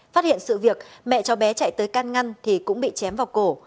phát hiện sự việc mẹ cháu bé chạy tới can ngăn thì cũng bị chém vào cổ